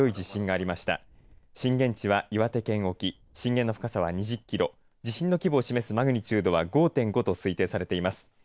震源地は岩手県沖震源の深さは２０キロ地震の規模を示すマグニチュードは５．５と推定されています。